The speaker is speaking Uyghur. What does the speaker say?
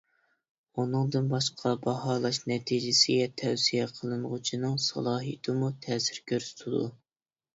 ئۇنىڭدىن باشقا، باھالاش نەتىجىسىگە تەۋسىيە قىلىنغۇچىنىڭ سالاھىيىتىمۇ تەسىر كۆرسىتىدۇ.